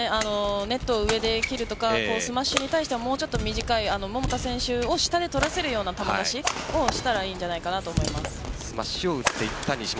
ネット上で切るとかスマッシュに対してはもうちょっと短い桃田選手を下で取らせるような球出しをしたらいいんスマッシュを打っていった西本。